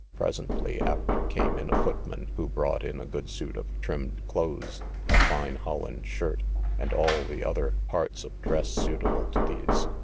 Presently after came in a footman, who brought in a good suit of trimmed clothes, a fine Holland shirt, and all the other parts of dress suitable to these.